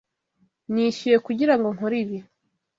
Nishyuye kugirango nkore ibi.